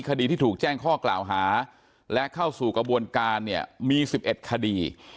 คดีที่ถูกแจ้งข้อกล่าวหาและเข้าสู่กระบวนการเนี่ยมี๑๑คดี